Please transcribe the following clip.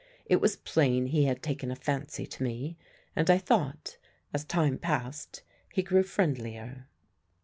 It was plain he had taken a fancy to me, and I thought, as time passed, he grew friendlier.